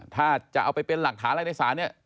ถ้าจะเอาไปเป็นหลักฐานอะไรในศาลเนี่ย